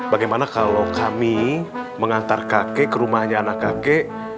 bagaimana kalau kami mengantar kakek ke rumahnya anak kakek